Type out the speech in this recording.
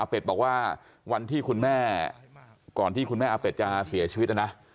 เป็ดบอกว่าวันที่คุณแม่ก่อนที่คุณแม่อาเป็ดจะเสียชีวิตนะนะ